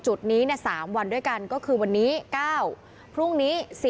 จุดนี้๓วันด้วยกันก็คือวันนี้๙พรุ่งนี้